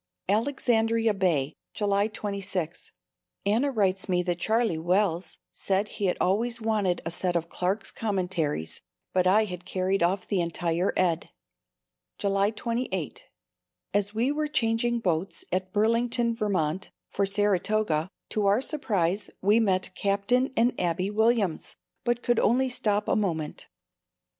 Alexandria Bay, July 26. Anna writes me that Charlie Wells said he had always wanted a set of Clark's Commentaries, but I had carried off the entire Ed. July 28. As we were changing boats at Burlington, Vt, for Saratoga, to our surprise, we met Captain and Abbie Williams, but could only stop a moment.